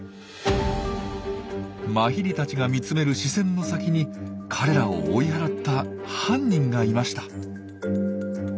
マヒリたちが見つめる視線の先に彼らを追い払った「犯人」がいました。